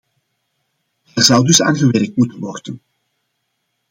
Daar zou dus aan gewerkt moeten worden.